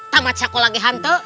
tak bisa kukira lagi